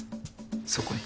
そこに。